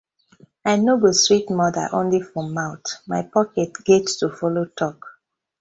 I no go sweet mother only for mouth, my pocket get to follo tok.